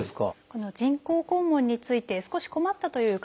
この人工肛門について少し困ったという方はですね